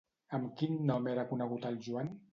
Amb quin nom era conegut el Joan?